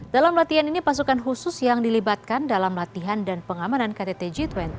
dalam latihan ini pasukan khusus yang dilibatkan dalam latihan dan pengamanan ktt g dua puluh